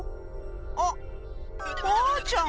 あっマーちゃん！